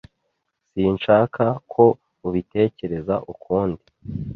Sinshaka ko ubitekereza ukundi.